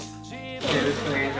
きょうよろしくお願いします。